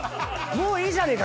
もういいじゃねえか。